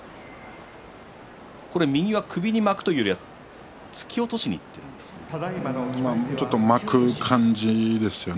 右は首に巻くというよりは突き落としにいっているんですね。